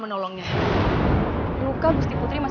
masih belum ada perubahan yakni warriors